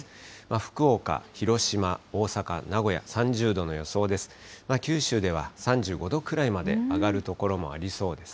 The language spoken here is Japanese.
福岡、広島、大阪、名古屋、３０度の予想です。